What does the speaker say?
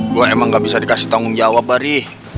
gue emang gak bisa dikasih tanggung jawab bari